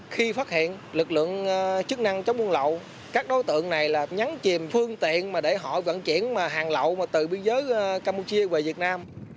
khi phát hiện lực lượng chức năng chống buôn lậu các đối tượng này là nhắn chìm phương tiện mà để họ vận chuyển hàng lậu mà từ biên giới campuchia về việt nam